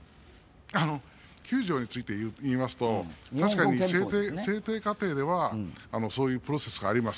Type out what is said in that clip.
９条について言いますと、確かに制定過程ではそういうプロセスがあります